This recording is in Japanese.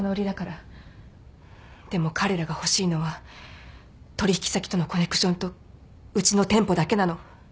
でも彼らが欲しいのは取引先とのコネクションとうちの店舗だけなの。